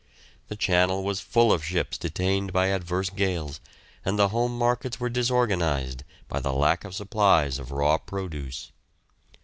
The Channel was full of ships detained by adverse gales, and the home markets were disorganised by the lack of supplies of raw produce.